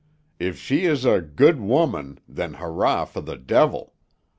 If she is a Good Woman, then hurrah for the devil.